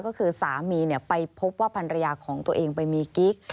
ก็คือสามีไปพบว่าภรรยาของตัวเองไปมีกิ๊ก